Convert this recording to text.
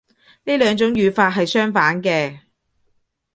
呢兩種語法係相反嘅